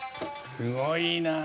すごいな。